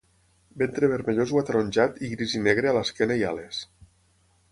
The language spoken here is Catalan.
Ventre vermellós o ataronjat i gris i negre a l'esquena i ales.